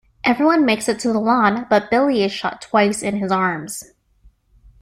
Everyone makes it to the lawn, but Billy is shot twice in his arms.